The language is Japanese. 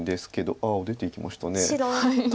ああ出ていきました。